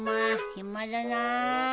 暇だな。